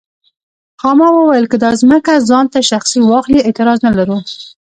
خاما وویل که دا ځمکه ځان ته شخصي واخلي اعتراض نه لرو.